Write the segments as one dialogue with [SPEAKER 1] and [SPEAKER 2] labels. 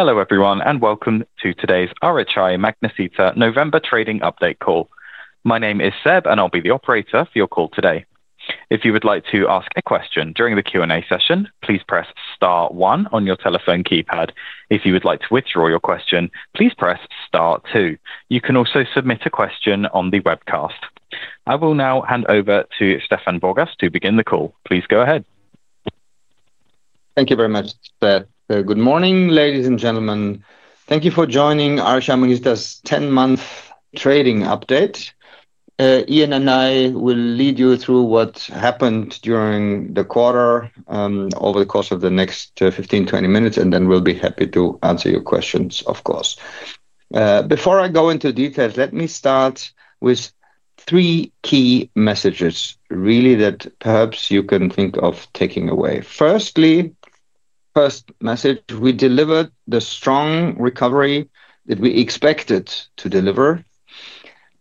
[SPEAKER 1] Hello everyone, and welcome to today's RHI Magnesita November Trading Update Call. My name is Seb, and I'll be the operator for your call today. If you would like to ask a question during the Q&A session, please press star one on your telephone keypad. If you would like to withdraw your question, please press star two. You can also submit a question on the webcast. I will now hand over to Stefan Borgas to begin the call. Please go ahead.
[SPEAKER 2] Thank you very much, Seb. Good morning, ladies and gentlemen. Thank you for joining RHI Magnesita's 10-month trading update. Ian and I will lead you through what happened during the quarter over the course of the next 15-20 minutes, and then we'll be happy to answer your questions, of course. Before I go into details, let me start with three key messages, really, that perhaps you can think of taking away. Firstly, first message, we delivered the strong recovery that we expected to deliver,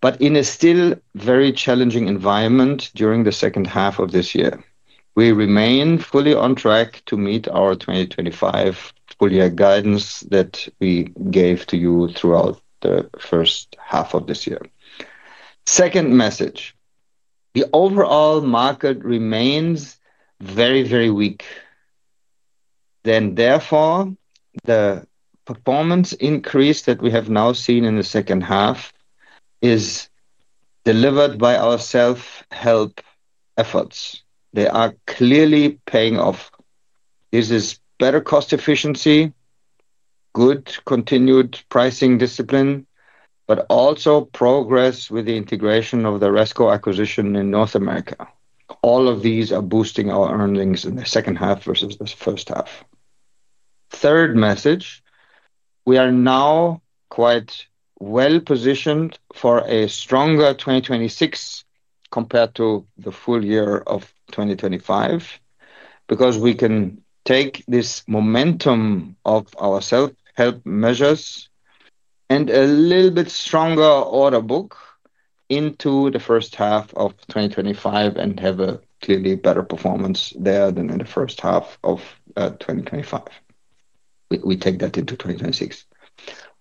[SPEAKER 2] but in a still very challenging environment during the second half of this year. We remain fully on track to meet our 2025 school year guidance that we gave to you throughout the first half of this year. Second message, the overall market remains very, very weak. Therefore, the performance increase that we have now seen in the second half is delivered by our self-help efforts. They are clearly paying off. This is better cost efficiency, good continued pricing discipline, but also progress with the integration of the RESCO acquisition in North America. All of these are boosting our earnings in the second half versus the first half. Third message, we are now quite well positioned for a stronger 2026 compared to the full year of 2025 because we can take this momentum of our self-help measures and a little bit stronger order book into the first half of 2025 and have a clearly better performance there than in the first half of 2025. We take that into 2026.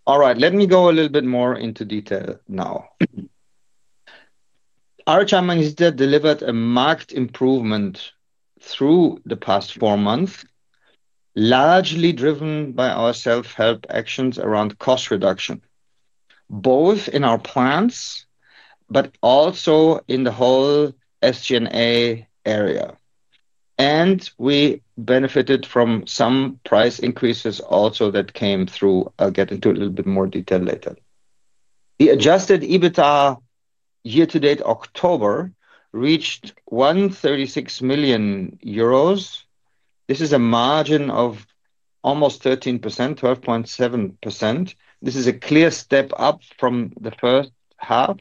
[SPEAKER 2] All right, let me go a little bit more into detail now. RHI Magnesita delivered a marked improvement through the past four months, largely driven by our self-help actions around cost reduction, both in our plans but also in the whole SG&A area. We benefited from some price increases also that came through. I'll get into a little bit more detail later. The Adjusted EBITDA year-to-date October reached 136 million euros. This is a margin of almost 13%, 12.7%. This is a clear step up from the first half.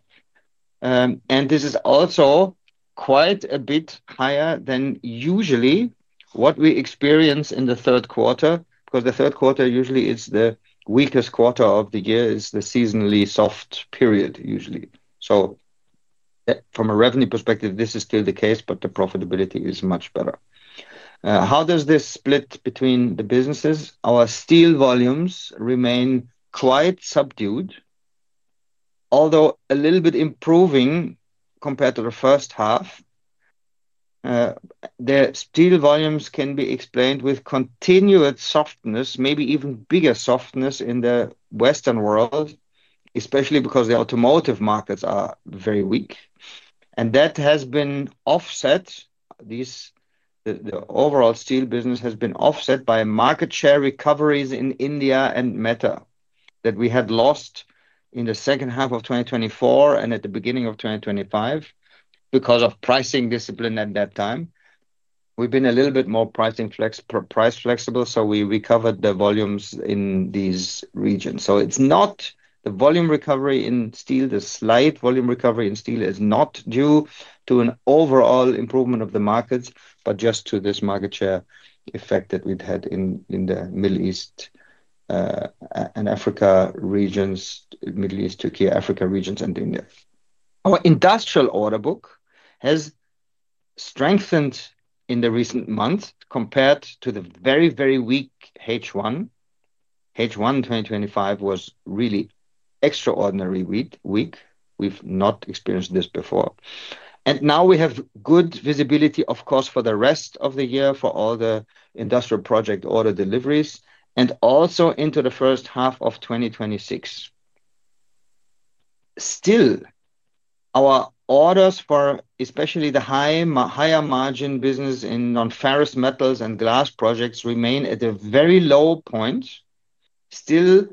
[SPEAKER 2] This is also quite a bit higher than usually what we experience in the third quarter because the third quarter usually is the weakest quarter of the year, is the seasonally soft period usually. From a revenue perspective, this is still the case, but the profitability is much better. How does this split between the businesses? Our steel volumes remain quite subdued, although a little bit improving compared to the first half. The steel volumes can be explained with continued softness, maybe even bigger softness in the Western world, especially because the automotive markets are very weak. That has been offset. The overall steel business has been offset by market share recoveries in India and META that we had lost in the second half of 2024 and at the beginning of 2025 because of pricing discipline at that time. We've been a little bit more price flexible, so we recovered the volumes in these regions. The slight volume recovery in steel is not due to an overall improvement of the markets, but just to this market share effect that we've had in the Middle East, Türkiye, Africa regions, and India. Our industrial order book has strengthened in the recent months compared to the very, very weak H1. H1 2025 was really extraordinarily weak. We've not experienced this before. We have good visibility, of course, for the rest of the year, for all the industrial project order deliveries, and also into the first half of 2026. Still, our orders for especially the higher margin business in non-ferrous metals and glass projects remain at a very low point. The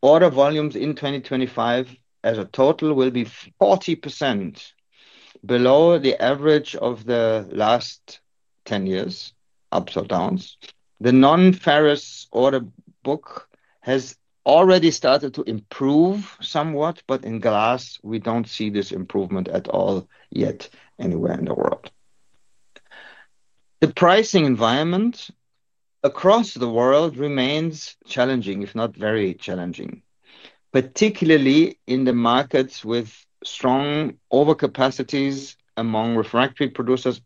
[SPEAKER 2] order volumes in 2025 as a total will be 40% below the average of the last 10 years, ups or downs. The non-ferrous order book has already started to improve somewhat, but in glass, we do not see this improvement at all yet anywhere in the world. The pricing environment across the world remains challenging, if not very challenging, particularly in the markets with strong overcapacities among refractory producers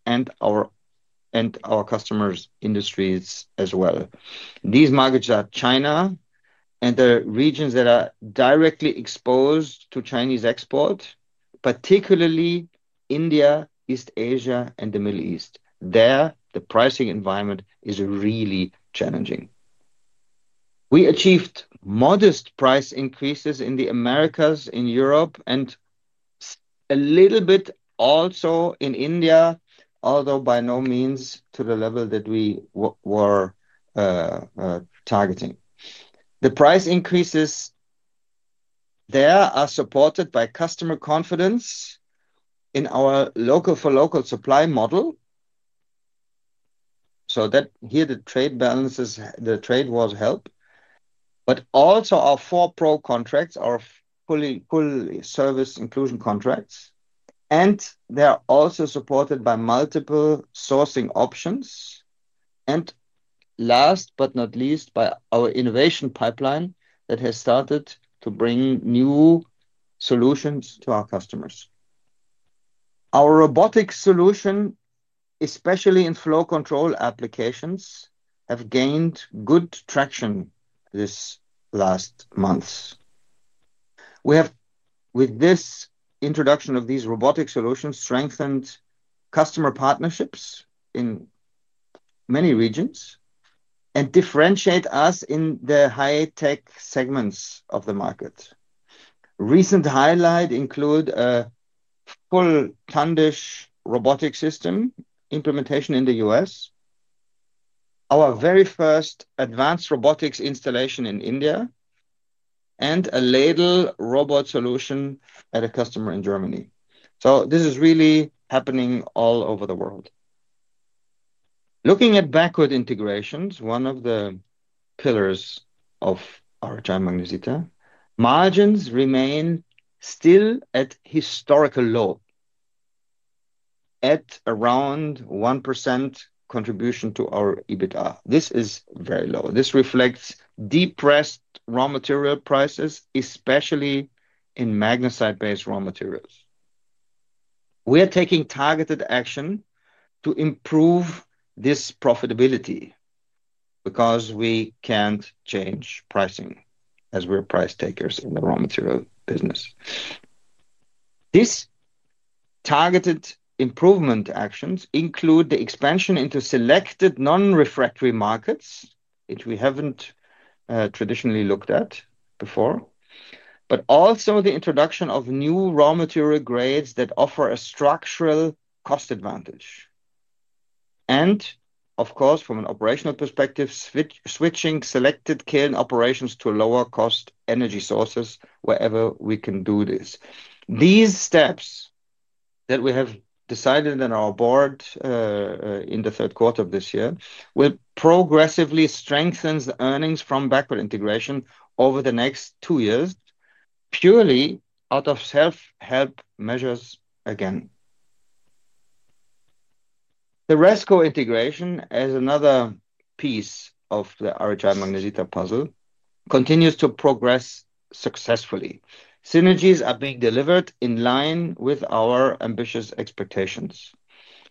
[SPEAKER 2] and our customers' industries as well. These markets are China and the regions that are directly exposed to Chinese export, particularly India, East Asia, and the Middle East. There, the pricing environment is really challenging. We achieved modest price increases in the Americas, in Europe, and a little bit also in India, although by no means to the level that we were targeting. The price increases there are supported by customer confidence in our local-for-local supply model. Here, the trade balances, the trade wars help, but also our four pro contracts are fully service inclusion contracts. They are also supported by multiple sourcing options. Last but not least, by our innovation pipeline that has started to bring new solutions to our customers. Our robotics solution, especially in flow control applications, have gained good traction this last month. We have, with this introduction of these robotics solutions, strengthened customer partnerships in many regions and differentiate us in the high-tech segments of the market. Recent highlight includes a full tandish robotic system implementation in the U.S., our very first advanced robotics installation in India, and a ladle robot solution at a customer in Germany. This is really happening all over the world. Looking at backward integrations, one of the pillars of RHI Magnesita, margins remain still at historical low, at around 1% contribution to our EBITDA. This is very low. This reflects depressed raw material prices, especially in magnesite-based raw materials. We are taking targeted action to improve this profitability because we can't change pricing as we're price takers in the raw material business. These targeted improvement actions include the expansion into selected non-refractory markets, which we haven't traditionally looked at before, but also the introduction of new raw material grades that offer a structural cost advantage. Of course, from an operational perspective, switching selected kiln operations to lower-cost energy sources wherever we can do this. These steps that we have decided on our board in the third quarter of this year will progressively strengthen the earnings from backward integration over the next two years, purely out of self-help measures again. The RESCO integration, as another piece of the RHI Magnesita puzzle, continues to progress successfully. Synergies are being delivered in line with our ambitious expectations.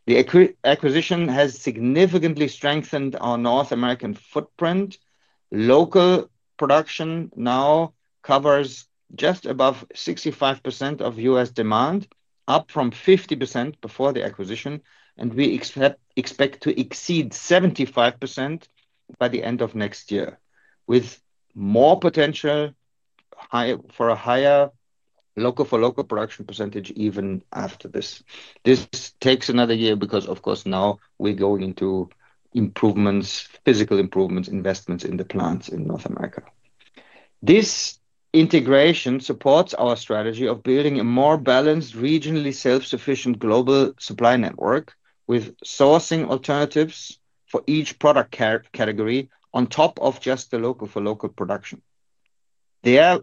[SPEAKER 2] The acquisition has significantly strengthened our North American footprint. Local production now covers just above 65% of U.S. demand, up from 50% before the acquisition, and we expect to exceed 75% by the end of next year, with more potential for a higher local-for-local production percentage even after this. This takes another year because, of course, now we're going into improvements, physical improvements, investments in the plants in North America. This integration supports our strategy of building a more balanced, regionally self-sufficient global supply network with sourcing alternatives for each product category on top of just the local-for-local production.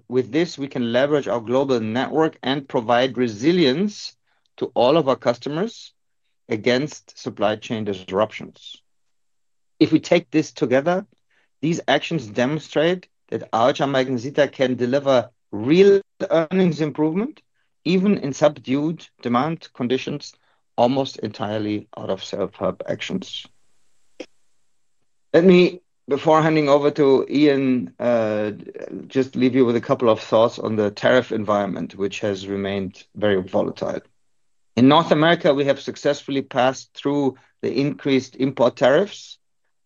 [SPEAKER 2] With this, we can leverage our global network and provide resilience to all of our customers against supply chain disruptions. If we take this together, these actions demonstrate that RHI Magnesita can deliver real earnings improvement, even in subdued demand conditions, almost entirely out of self-help actions. Before handing over to Ian, just leave you with a couple of thoughts on the tariff environment, which has remained very volatile. In North America, we have successfully passed through the increased import tariffs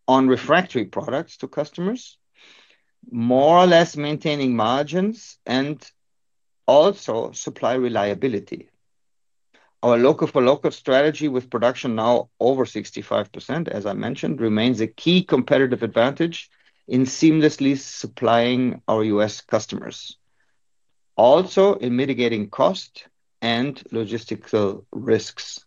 [SPEAKER 2] on refractory products to customers, more or less maintaining margins and also supply reliability. Our local-for-local strategy with production now over 65%, as I mentioned, remains a key competitive advantage in seamlessly supplying our U.S. customers, also in mitigating cost and logistical risks.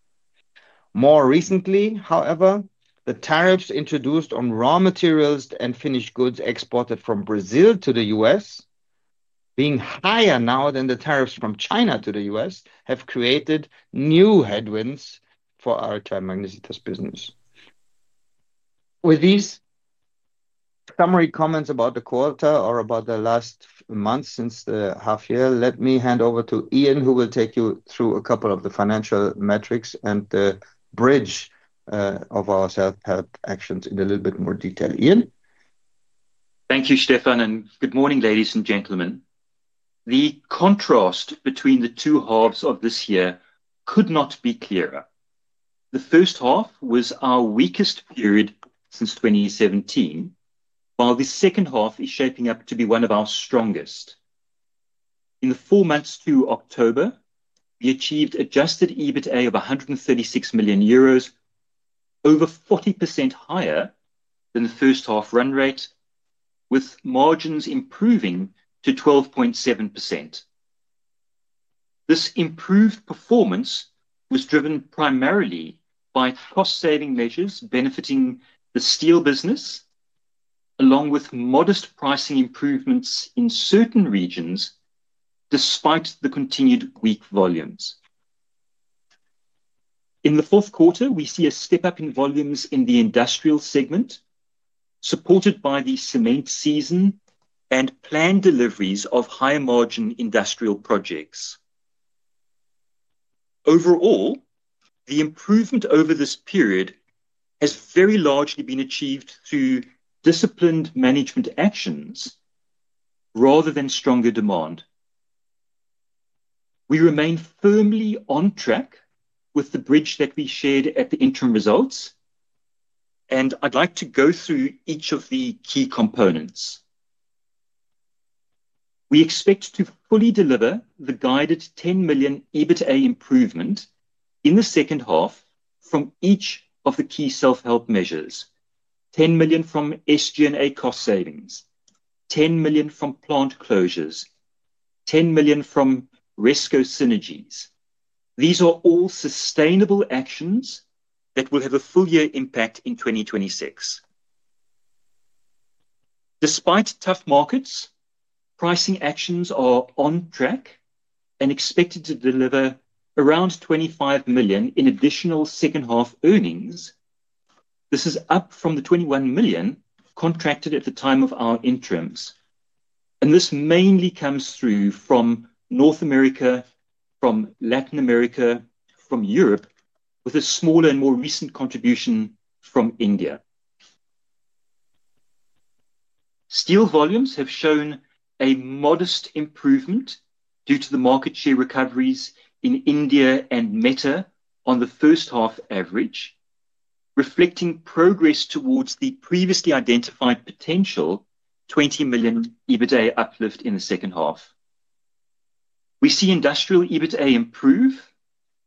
[SPEAKER 2] More recently, however, the tariffs introduced on raw materials and finished goods exported from Brazil to the U.S., being higher now than the tariffs from China to the U.S., have created new headwinds for our RHI Magnesita's business. With these summary comments about the quarter or about the last month since the half year, let me hand over to Ian, who will take you through a couple of the financial metrics and the bridge of our self-help actions in a little bit more detail. Ian.
[SPEAKER 3] Thank you, Stefan, and good morning, ladies and gentlemen. The contrast between the two halves of this year could not be clearer. The first half was our weakest period since 2017, while the second half is shaping up to be one of our strongest. In the four months to October, we achieved Adjusted EBITDA of 136 million euros, over 40% higher than the first half run rate, with margins improving to 12.7%. This improved performance was driven primarily by cost-saving measures benefiting the steel business, along with modest pricing improvements in certain regions despite the continued weak volumes. In the fourth quarter, we see a step up in volumes in the industrial segment, supported by the cement season and planned deliveries of higher-margin industrial projects. Overall, the improvement over this period has very largely been achieved through disciplined management actions rather than stronger demand. We remain firmly on track with the bridge that we shared at the interim results, and I'd like to go through each of the key components. We expect to fully deliver the guided 10 million EBITDA improvement in the second half from each of the key self-help measures: 10 million from SG&A cost savings, 10 million from plant closures, 10 million from RESCO synergies. These are all sustainable actions that will have a full year impact in 2026. Despite tough markets, pricing actions are on track and expected to deliver around 25 million in additional second-half earnings. This is up from the 21 million contracted at the time of our interims. This mainly comes through from North America, from Latin America, from Europe, with a smaller and more recent contribution from India. Steel volumes have shown a modest improvement due to the market share recoveries in India and META on the first half average, reflecting progress towards the previously identified potential 20 million EBITDA uplift in the second half. We see industrial EBITDA improve,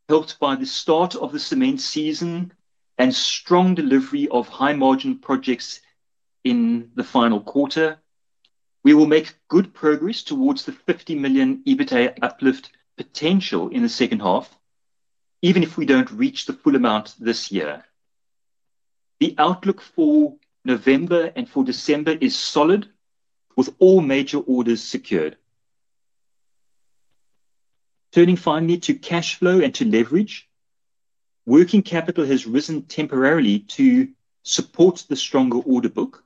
[SPEAKER 3] helped by the start of the cement season and strong delivery of high-margin projects in the final quarter. We will make good progress towards the 50 million EBITDA uplift potential in the second half, even if we do not reach the full amount this year. The outlook for November and for December is solid, with all major orders secured. Turning finally to cash flow and to leverage, working capital has risen temporarily to support the stronger order book,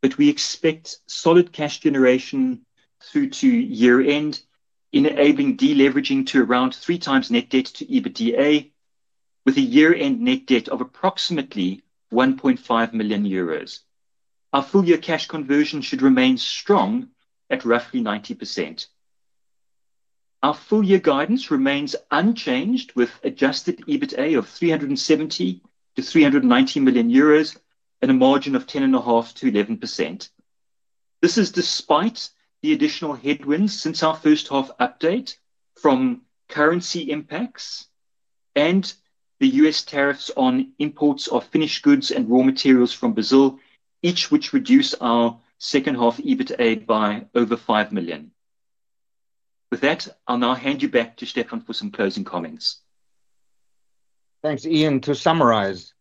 [SPEAKER 3] but we expect solid cash generation through to year-end, enabling deleveraging to around three times net debt to EBITDA, with a year-end net debt of approximately 1.5 million euros. Our full-year cash conversion should remain strong at roughly 90%. Our full-year guidance remains unchanged, with Adjusted EBITDA of 370-390 million euros and a margin of 10.5-11%. This is despite the additional headwinds since our first-half update from currency impacts and the U.S. tariffs on imports of finished goods and raw materials from Brazil, each which reduced our second-half EBITDA by over 5 million. With that, I'll now hand you back to Stefan for some closing comments.
[SPEAKER 2] Thanks, Ian. To summarize,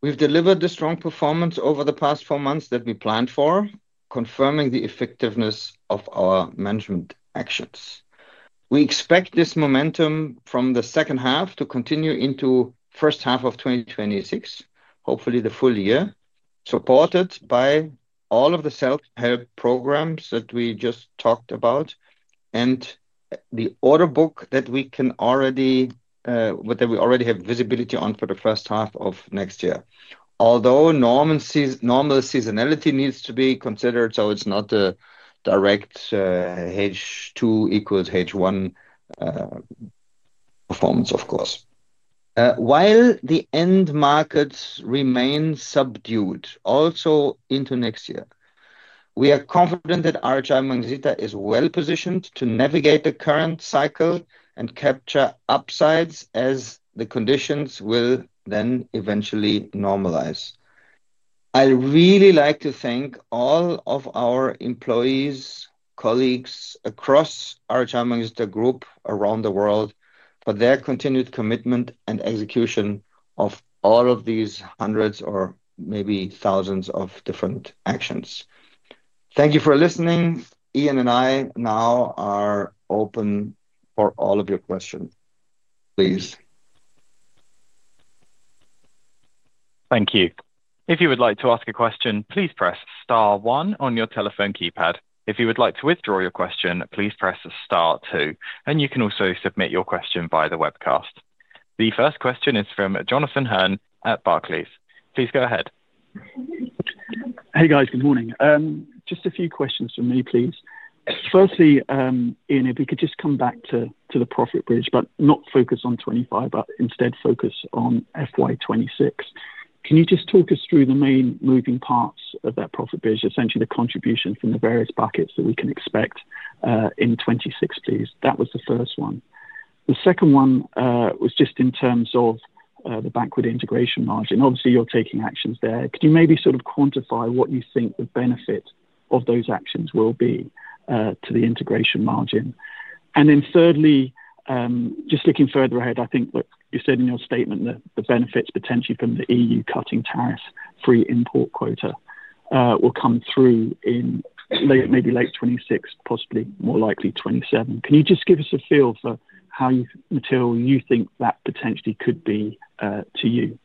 [SPEAKER 2] we've delivered the strong performance over the past four months that we planned for, confirming the effectiveness of our management actions. We expect this momentum from the second half to continue into the first half of 2026, hopefully the full year, supported by all of the self-help programs that we just talked about and the order book that we already have visibility on for the first half of next year, although normal seasonality needs to be considered, so it's not a direct H2 equals H1 performance, of course. While the end markets remain subdued, also into next year, we are confident that RHI Magnesita is well positioned to navigate the current cycle and capture upsides as the conditions will then eventually normalize. I'd really like to thank all of our employees, colleagues across our RHI Magnesita group around the world for their continued commitment and execution of all of these hundreds or maybe thousands of different actions. Thank you for listening. Ian and I now are open for all of your questions. Please.
[SPEAKER 1] Thank you. If you would like to ask a question, please press star one on your telephone keypad. If you would like to withdraw your question, please press star two. You can also submit your question via the webcast. The first question is from Jonathan Hurn at Barclays. Please go ahead.
[SPEAKER 4] Hey, guys. Good morning. Just a few questions from me, please. Firstly, Ian, if we could just come back to the profit bridge, but not focus on 2025, but instead focus on FY 2026. Can you just talk us through the main moving parts of that profit bridge, essentially the contribution from the various buckets that we can expect in 2026, please? That was the first one. The second one was just in terms of the backward integration margin. Obviously, you're taking actions there. Could you maybe sort of quantify what you think the benefit of those actions will be to the integration margin? And then thirdly, just looking further ahead, I think you said in your statement that the benefits potentially from the EU cutting tariffs free import quota will come through in maybe late 2026, possibly more likely 2027. Can you just give us a feel for how material you think that potentially could be to you?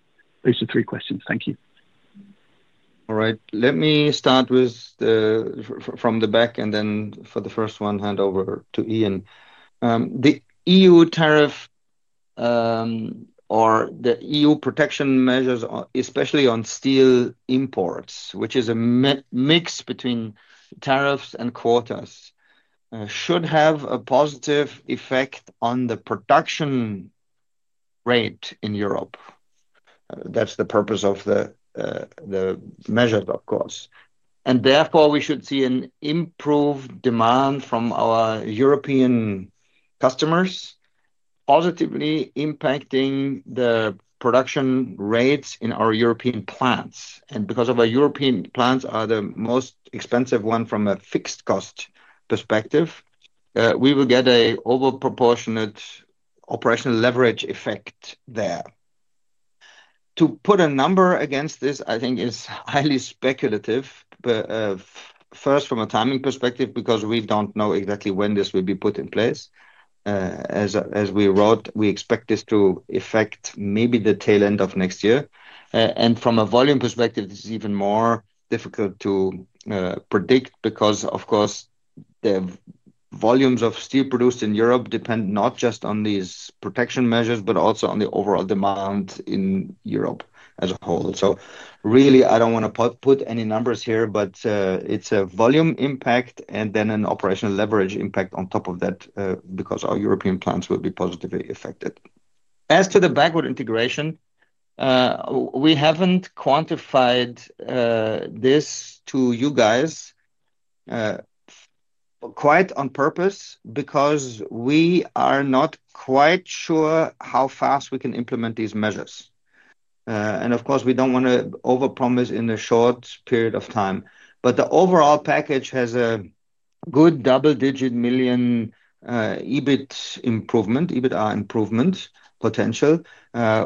[SPEAKER 4] Those are three questions. Thank you.
[SPEAKER 2] All right. Let me start from the back, and then for the first one, hand over to Ian. The EU tariff or the EU protection measures, especially on steel imports, which is a mix between tariffs and quotas, should have a positive effect on the production rate in Europe. That is the purpose of the measure, of course. Therefore, we should see an improved demand from our European customers, positively impacting the production rates in our European plants. Because our European plants are the most expensive one from a fixed cost perspective, we will get an overproportionate operational leverage effect there. To put a number against this, I think, is highly speculative, first from a timing perspective, because we do not know exactly when this will be put in place. As we wrote, we expect this to affect maybe the tail end of next year. From a volume perspective, it's even more difficult to predict because, of course, the volumes of steel produced in Europe depend not just on these protection measures, but also on the overall demand in Europe as a whole. Really, I don't want to put any numbers here, but it's a volume impact and then an operational leverage impact on top of that because our European plants will be positively affected. As to the backward integration, we haven't quantified this to you guys quite on purpose because we are not quite sure how fast we can implement these measures. Of course, we don't want to overpromise in a short period of time. The overall package has a good double-digit million EBIT improvement, EBITDA improvement potential.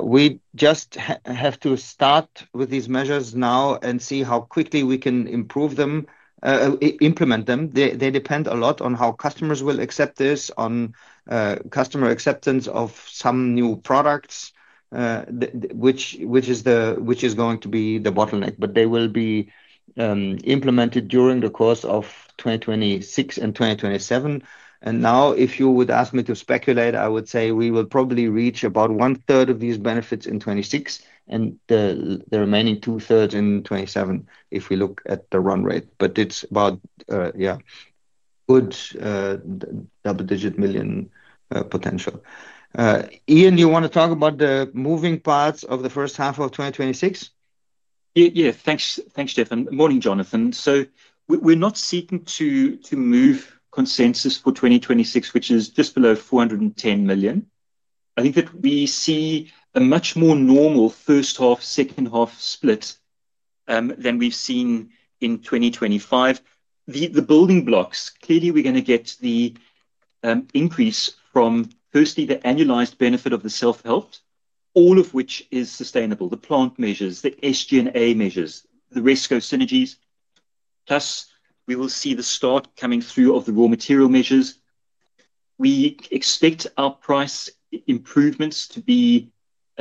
[SPEAKER 2] We just have to start with these measures now and see how quickly we can improve them, implement them. They depend a lot on how customers will accept this, on customer acceptance of some new products, which is going to be the bottleneck. They will be implemented during the course of 2026 and 2027. If you would ask me to speculate, I would say we will probably reach about one-third of these benefits in 2026 and the remaining two-thirds in 2027 if we look at the run rate. It is about, yeah, good double-digit million potential. Ian, you want to talk about the moving parts of the first half of 2026?
[SPEAKER 3] Yeah. Thanks, Stefan. Good morning, Jonathan. We are not seeking to move consensus for 2026, which is just below 410 million. I think that we see a much more normal first-half, second-half split than we have seen in 2025. The building blocks, clearly, we're going to get the increase from firstly, the annualized benefit of the self-help, all of which is sustainable, the plant measures, the SG&A measures, the RESCO synergies. Plus, we will see the start coming through of the raw material measures. We expect our price improvements to be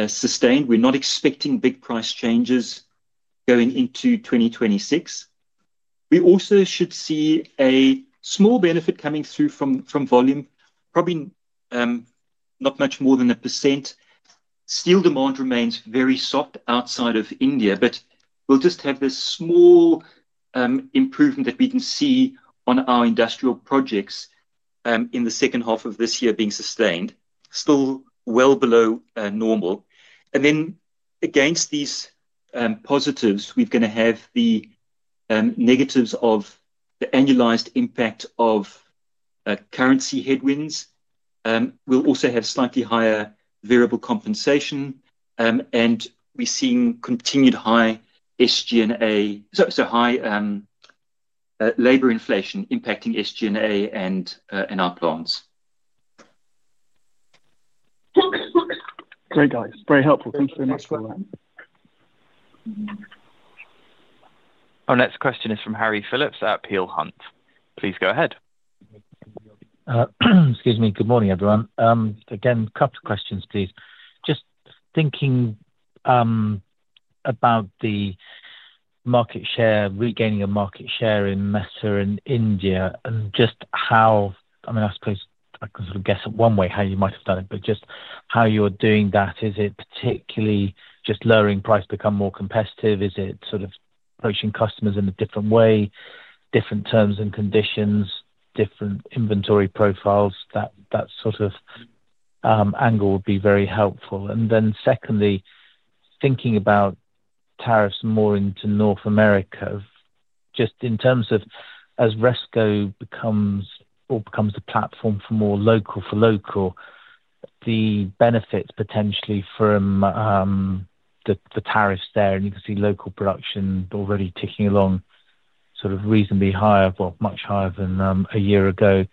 [SPEAKER 3] sustained. We're not expecting big price changes going into 2026. We also should see a small benefit coming through from volume, probably not much more than 1%. Steel demand remains very soft outside of India, but we'll just have this small improvement that we can see on our industrial projects in the second half of this year being sustained, still well below normal. Against these positives, we're going to have the negatives of the annualized impact of currency headwinds. We'll also have slightly higher variable compensation, and we're seeing continued high SG&A, so high labor inflation impacting SG&A and our plants.
[SPEAKER 4] Great, guys. Very helpful. Thank you very much for that.
[SPEAKER 1] Our next question is from Harry Phillips at Peel Hunt. Please go ahead.
[SPEAKER 5] Excuse me. Good morning, everyone. Again, a couple of questions, please. Just thinking about the market share, regaining a market share in META and India, and just how, I mean, I suppose I can sort of guess it one way how you might have done it, but just how you're doing that. Is it particularly just lowering price to become more competitive? Is it sort of approaching customers in a different way, different terms and conditions, different inventory profiles? That sort of angle would be very helpful. Secondly, thinking about tariffs more into North America, just in terms of as RESCO becomes or becomes the platform for more local-for-local, the benefits potentially from the tariffs there, and you can see local production already ticking along sort of reasonably higher, well, much higher than a year ago.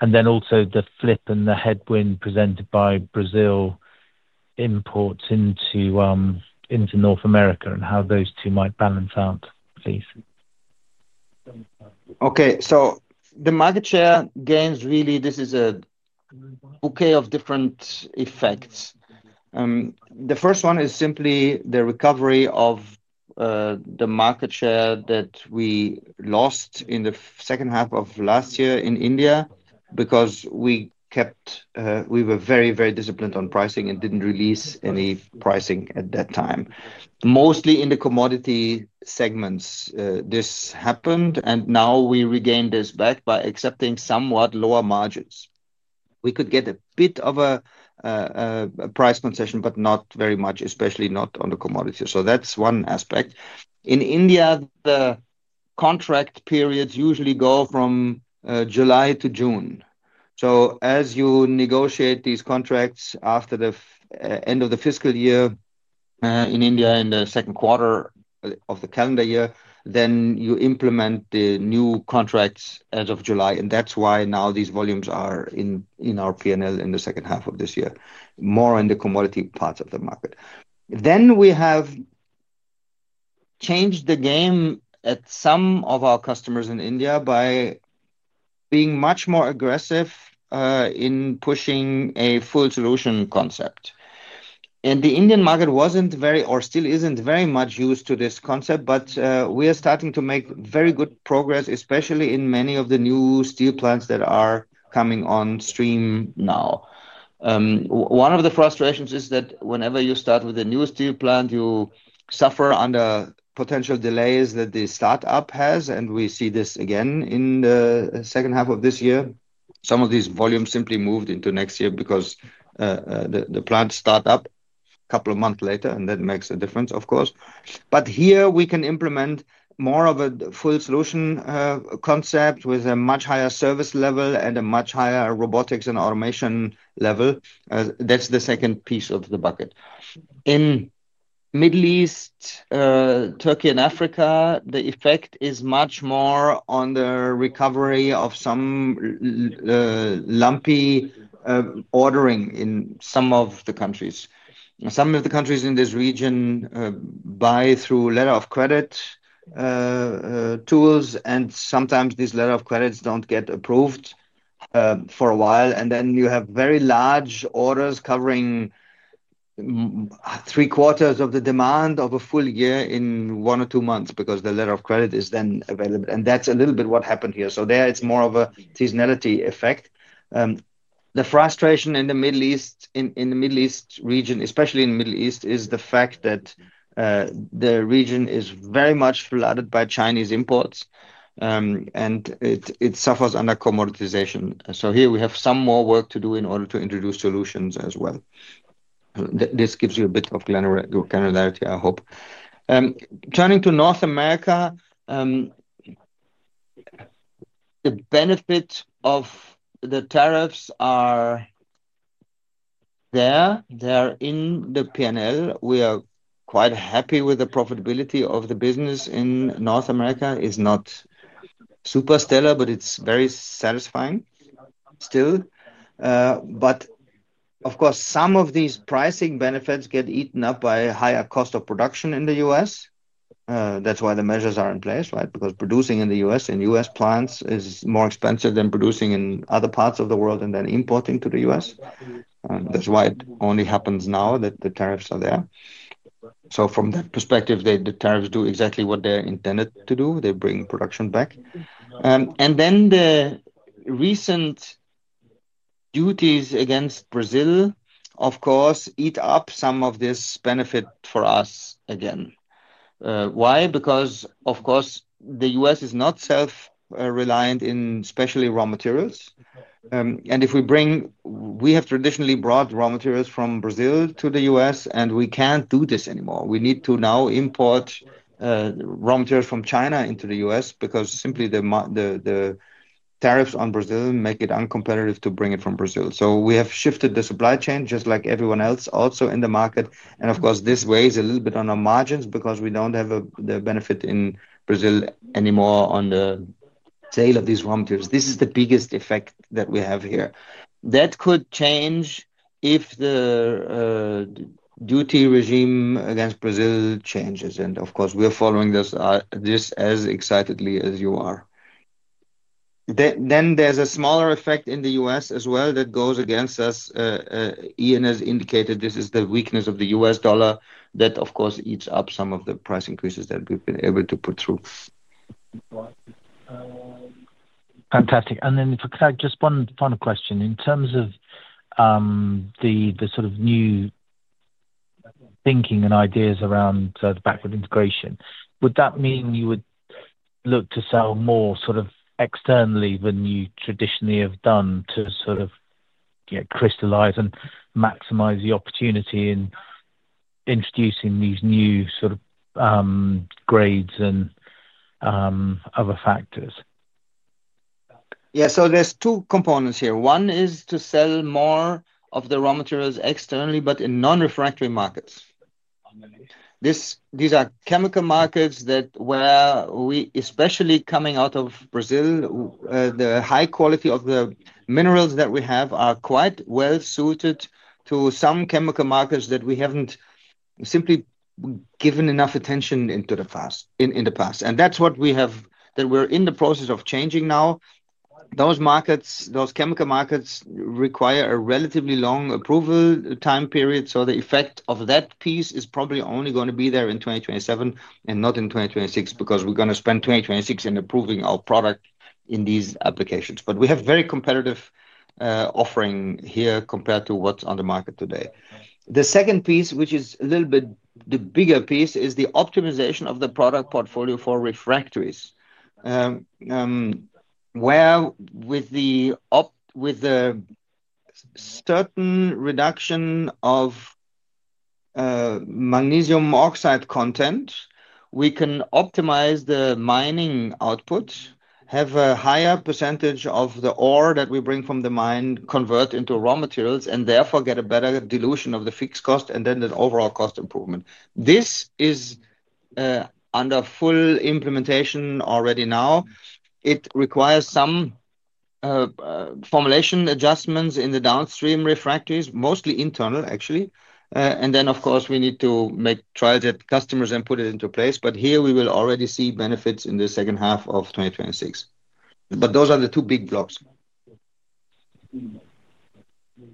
[SPEAKER 5] Also, the flip and the headwind presented by Brazil imports into North America and how those two might balance out, please.
[SPEAKER 2] Okay. The market share gains, really, this is a bouquet of different effects. The first one is simply the recovery of the market share that we lost in the second half of last year in India because we were very, very disciplined on pricing and did not release any pricing at that time. Mostly in the commodity segments, this happened, and now we regained this back by accepting somewhat lower margins. We could get a bit of a price concession, but not very much, especially not on the commodity. That is one aspect. In India, the contract periods usually go from July to June. As you negotiate these contracts after the end of the fiscal year in India in the second quarter of the calendar year, you implement the new contracts as of July. That is why now these volumes are in our P&L in the second half of this year, more in the commodity parts of the market. We have changed the game at some of our customers in India by being much more aggressive in pushing a full solution concept. The Indian market was not very or still is not very much used to this concept, but we are starting to make very good progress, especially in many of the new steel plants that are coming on stream now. One of the frustrations is that whenever you start with a new steel plant, you suffer under potential delays that the startup has, and we see this again in the second half of this year. Some of these volumes simply moved into next year because the plants start up a couple of months later, and that makes a difference, of course. Here, we can implement more of a full solution concept with a much higher service level and a much higher robotics and automation level. That is the second piece of the bucket. In the Middle East, Türkiye, and Africa, the effect is much more on the recovery of some lumpy ordering in some of the countries. Some of the countries in this region buy through letter of credit tools, and sometimes these letter of credits do not get approved for a while. You have very large orders covering three-quarters of the demand of a full year in one or two months because the letter of credit is then available. That is a little bit what happened here. There, it is more of a seasonality effect. The frustration in the Middle East, in the Middle East region, especially in the Middle East, is the fact that the region is very much flooded by Chinese imports, and it suffers under commoditization. Here, we have some more work to do in order to introduce solutions as well. This gives you a bit of granularity, I hope. Turning to North America, the benefits of the tariffs are there. They're in the P&L. We are quite happy with the profitability of the business in North America. It's not super stellar, but it's very satisfying still. Of course, some of these pricing benefits get eaten up by a higher cost of production in the U.S. That is why the measures are in place, right? Because producing in the U.S., in U.S. plants, is more expensive than producing in other parts of the world and then importing to the U.S. That is why it only happens now that the tariffs are there. From that perspective, the tariffs do exactly what they're intended to do. They bring production back. The recent duties against Brazil, of course, eat up some of this benefit for us again. Why? Because, of course, the U.S. is not self-reliant in especially raw materials. If we bring, we have traditionally brought raw materials from Brazil to the U.S., and we can't do this anymore. We need to now import raw materials from China into the U.S. because simply the tariffs on Brazil make it uncompetitive to bring it from Brazil. We have shifted the supply chain just like everyone else also in the market. Of course, this weighs a little bit on our margins because we don't have the benefit in Brazil anymore on the sale of these raw materials. This is the biggest effect that we have here. That could change if the duty regime against Brazil changes. Of course, we're following this as excitedly as you are. There is a smaller effect in the U.S. as well that goes against us. Ian has indicated this is the weakness of the US dollar that, of course, eats up some of the price increases that we've been able to put through.
[SPEAKER 5] Fantastic. If I could just one final question. In terms of the sort of new thinking and ideas around backward integration, would that mean you would look to sell more sort of externally than you traditionally have done to sort of crystallize and maximize the opportunity in introducing these new sort of grades and other factors?
[SPEAKER 2] Yeah. There are two components here. One is to sell more of the raw materials externally, but in non-refractory markets. These are chemical markets that, where we especially coming out of Brazil, the high quality of the minerals that we have are quite well suited to some chemical markets that we have not simply given enough attention to in the past. That is what we have that we are in the process of changing now. Those chemical markets require a relatively long approval time period. The effect of that piece is probably only going to be there in 2027 and not in 2026 because we are going to spend 2026 in approving our product in these applications. We have a very competitive offering here compared to what is on the market today. The second piece, which is a little bit the bigger piece, is the optimization of the product portfolio for refractories. With the certain reduction of magnesium oxide content, we can optimize the mining outputs, have a higher percentage of the ore that we bring from the mine convert into raw materials, and therefore get a better dilution of the fixed cost and then the overall cost improvement. This is under full implementation already now. It requires some formulation adjustments in the downstream refractories, mostly internal, actually. Of course, we need to make trials at customers and put it into place. Here, we will already see benefits in the second half of 2026. Those are the two big blocks.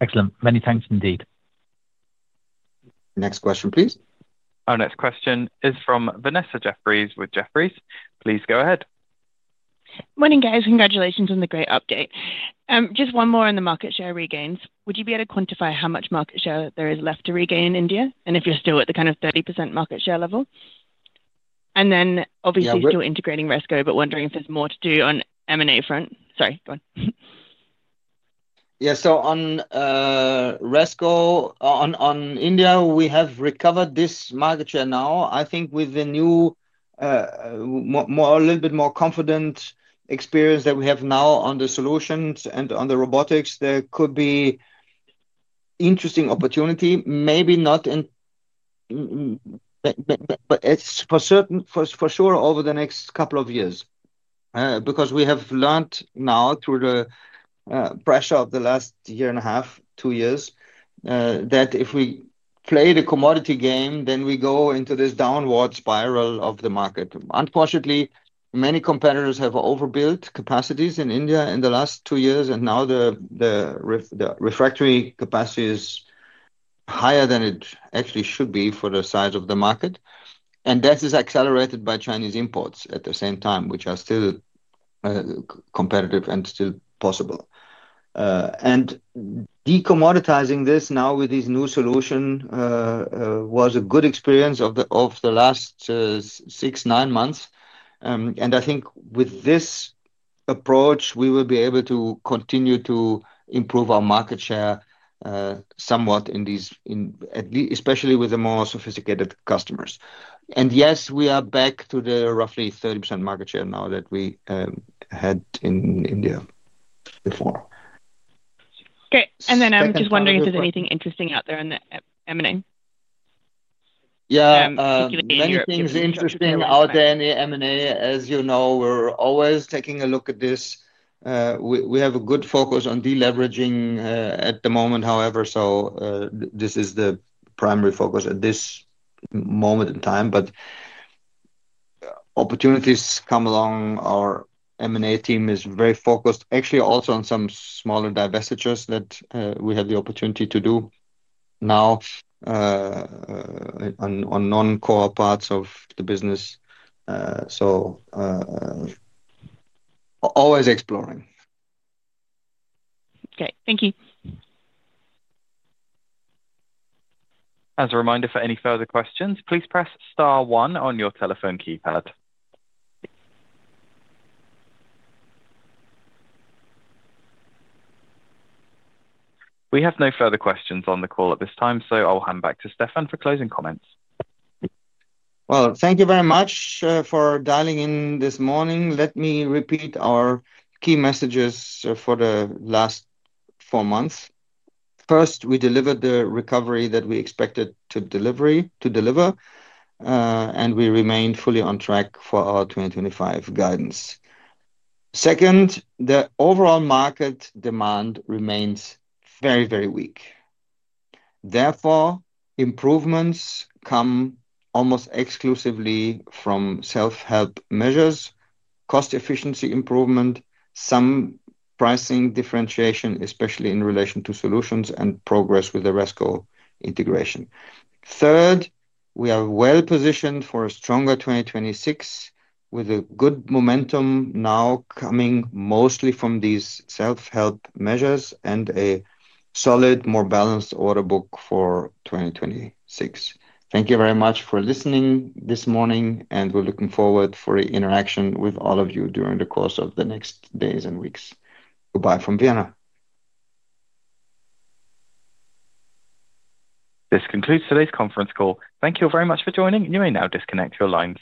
[SPEAKER 5] Excellent. Many thanks indeed.
[SPEAKER 3] Next question, please.
[SPEAKER 1] Our next question is from Vanessa Jeffriess with Jefferies. Please go ahead.
[SPEAKER 6] Morning, guys. Congratulations on the great update. Just one more on the market share regains. Would you be able to quantify how much market share there is left to regain in India and if you're still at the kind of 30% market share level? Obviously, still integrating RESCO, but wondering if there's more to do on the M&A front. Sorry. Go on.
[SPEAKER 2] Yeah. On RESCO, on India, we have recovered this market share now. I think with the new, a little bit more confident experience that we have now on the solutions and on the robotics, there could be interesting opportunity. Maybe not, but it's for sure over the next couple of years because we have learned now through the pressure of the last year and a half, two years, that if we play the commodity game, then we go into this downward spiral of the market. Unfortunately, many competitors have overbuilt capacities in India in the last two years, and now the refractory capacity is higher than it actually should be for the size of the market. That is accelerated by Chinese imports at the same time, which are still competitive and still possible. Decommoditizing this now with this new solution was a good experience of the last six, nine months. I think with this approach, we will be able to continue to improve our market share somewhat in these, especially with the more sophisticated customers. Yes, we are back to the roughly 30% market share now that we had in India before.
[SPEAKER 6] Okay. I am just wondering if there is anything interesting out there on the M&A.
[SPEAKER 2] Yeah. Many things interesting out there in the M&A. As you know, we are always taking a look at this. We have a good focus on deleveraging at the moment, however. This is the primary focus at this moment in time. Opportunities come along, our M&A team is very focused, actually, also on some smaller divestitures that we have the opportunity to do now on non-core parts of the business. Always exploring.
[SPEAKER 6] Okay. Thank you.
[SPEAKER 1] As a reminder, for any further questions, please press star one on your telephone keypad. We have no further questions on the call at this time, so I'll hand back to Stefan for closing comments.
[SPEAKER 2] Thank you very much for dialing in this morning. Let me repeat our key messages for the last four months. First, we delivered the recovery that we expected to deliver, and we remained fully on track for our 2025 guidance. Second, the overall market demand remains very, very weak. Therefore, improvements come almost exclusively from self-help measures, cost efficiency improvement, some pricing differentiation, especially in relation to solutions and progress with the RESCO integration. Third, we are well positioned for a stronger 2026 with a good momentum now coming mostly from these self-help measures and a solid, more balanced order book for 2026.
[SPEAKER 3] Thank you very much for listening this morning, and we're looking forward for interaction with all of you during the course of the next days and weeks. Goodbye from Vienna.
[SPEAKER 1] This concludes today's conference call. Thank you very much for joining. You may now disconnect your line.